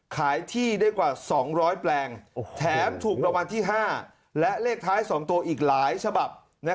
ขายที่ได้กว่า๒๐๐แปลงแถมถูกรางวัลที่๕และเลขท้าย๒ตัวอีกหลายฉบับ